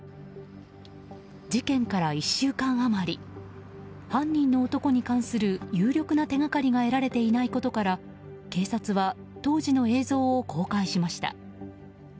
事件から１週間余り犯人の男に関する有力な手掛かりが得られていないことから警察は当時の映像を公開しました。